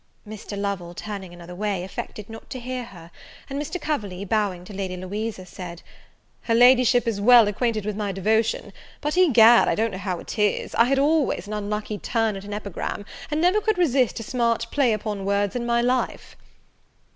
Mr. Lovel, turning another way, affected not to hear her: and Mr. Coverley, bowing to Lady Louisa, said, "Her Ladyship is well acquainted with my devotion; but, egad, I don't know how it is, I had always an unlucky turn at an epigram, and never could resist a smart play upon words in my life."